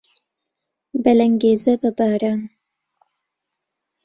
بە لەنگێزە، بە باران